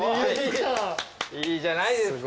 いいじゃないですか。